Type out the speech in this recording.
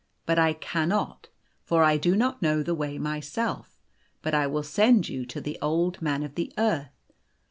" But I cannot, for I do not know the way myself. But I will send you to the Old Man of the Earth.